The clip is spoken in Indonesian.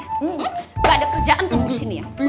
gak ada kerjaan kamu disini ya